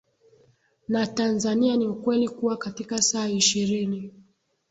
na Tanzania ni ukweli kuwa katika saa ishirini